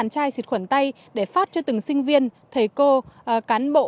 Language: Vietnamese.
bốn mươi chai xịt khuẩn tay để phát cho từng sinh viên thầy cô cán bộ